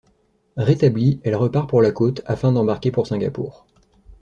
Rétablie, elle repart pour la côte afin d'embarquer pour Singapour.